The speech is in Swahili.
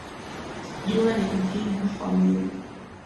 Jua ni muhimu kwa mwili